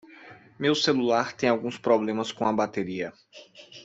Meu celular tem alguns problemas com a bateria.